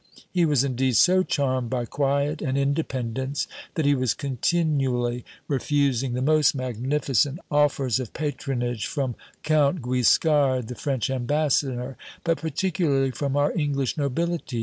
He was indeed so charmed by quiet and independence, that he was continually refusing the most magnificent offers of patronage, from Count Guiscard, the French ambassador; but particularly from our English nobility.